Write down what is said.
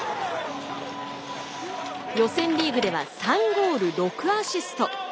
予選リーグでは３ゴール６アシスト。